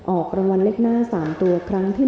ออกรางวัลเลขหน้า๓ตัวครั้งที่๑